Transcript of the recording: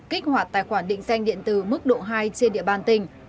kích hoạt tài khoản định danh điện tử mức độ hai trên địa bàn tỉnh